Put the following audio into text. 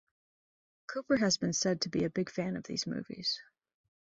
Cooper has been said to be a big fan of these movies.